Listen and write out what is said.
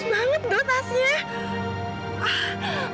bagus banget do tasnya